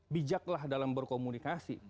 bijaklah dalam berkomunikasi